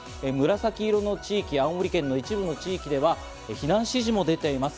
紫色の地域、青森県の一部地域では避難指示も出ています。